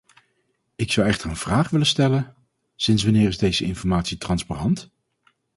Ik zou echter een vraag willen stellen: sinds wanneer is deze informatie transparant?